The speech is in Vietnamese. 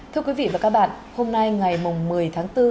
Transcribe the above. thưa quý vị và các bạn hôm nay ngày một mươi tháng bốn